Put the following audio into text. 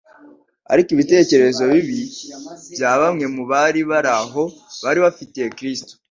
Ariko ibitekerezo bibi bya bamwe mu bari bari aho bari bafitiye Kristo,